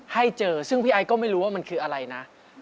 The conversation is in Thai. ให้เจอซึ่งพี่ไอ้ก็ไม่รู้ว่ามันคืออะไรนะ